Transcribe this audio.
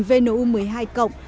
chương trình vnu một mươi hai cộng